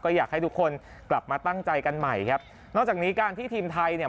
อยากให้ทุกคนกลับมาตั้งใจกันใหม่ครับนอกจากนี้การที่ทีมไทยเนี่ย